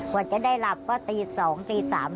กว่าจะได้หลับก็ตี๒ตี๓